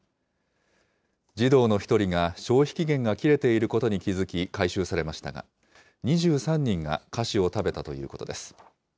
児童の１人が、消費期限が切れていることに気付き、回収されましたが、２３人が菓子を食べたということです。